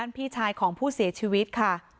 พี่ชายของผู้เสียชีวิตค่ะ